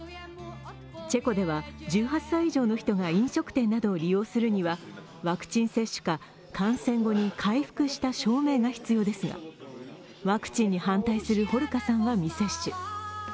チェコでは１８歳以上の人が飲食店などを利用するにはワクチン接種か、感染後に回復した証明が必要ですがワクチンに反対するホルカさんは未接種。